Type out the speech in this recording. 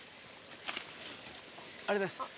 ありがとうございます。